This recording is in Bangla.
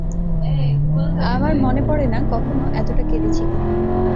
আমার মনে পড়ে না কখনও এতোটা কেঁদেছি কিনা।